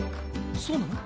そうなの？